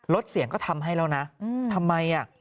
เสียงก็ทำให้แล้วนะทำไมอ่ะ